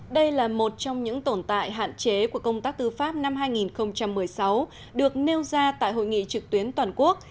đây là một trong những tồn tại hạn chế của công tác tư pháp năm hai nghìn một mươi sáu được nêu ra tại hội nghị trực tuyến toàn quốc